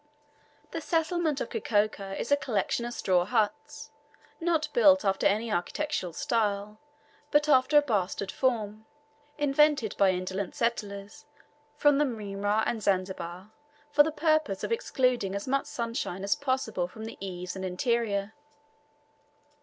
The settlement of Kikoka is a collection of straw huts; not built after any architectural style, but after a bastard form, invented by indolent settlers from the Mrima and Zanzibar for the purpose of excluding as much sunshine as possible from the eaves and interior.